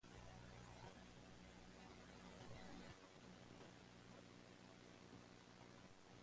Her writing also appears regularly in the "New York Review of Books".